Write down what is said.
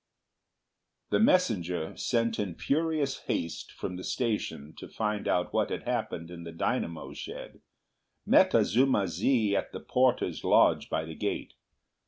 The messenger, sent in furious haste from the station to find out what had happened in the dynamo shed, met Azuma zi at the porter's lodge by the gate.